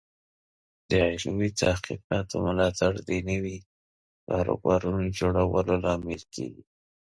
د علمي تحقیقاتو ملاتړ د نوي کاروبارونو د جوړولو لامل کیږي.